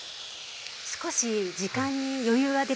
少し時間に余裕が出てきた。